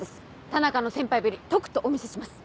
田中の先輩ぶりとくとお見せします。